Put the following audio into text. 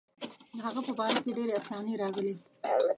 د هغه په باره کې ډېرې افسانې راغلي.